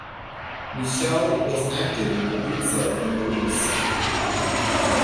Michele was active in Abruzzo and Molise.